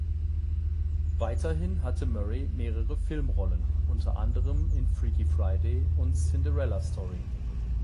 Weiterhin hatte Murray mehrere Filmrollen, unter anderem in "Freaky Friday" und "Cinderella Story".